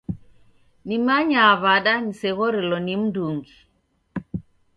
Nimanyaa w'ada niseghorelo ni mndungi?